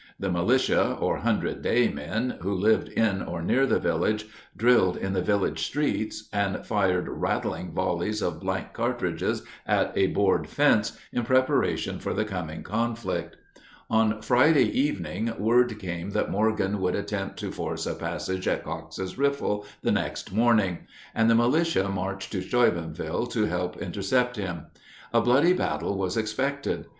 The militia, or "hundred day men," who lived in or near the village, drilled in the village streets, and fired rattling volleys of blank cartridges at a board fence, in preparation for the coming conflict. On Friday evening word came that Morgan would attempt to force a passage at Coxe's Riffle the next morning, and the militia marched to Steubenville to help intercept him. A bloody battle was expected.